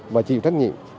và chịu trách nhiệm